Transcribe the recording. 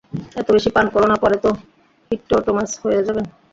এত বেশি পান করো না পরে তো হিটটোটোমাস হয়ে যাবেন।